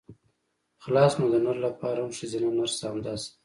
خلاص نو د نر لپاره هم ښځينه نرسه همداسې ده.